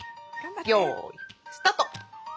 よいスタート！